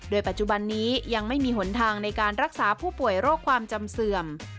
ปัจจุบันนี้ยังไม่มีหนทางในการรักษาผู้ป่วยโรคความจำเสื่อม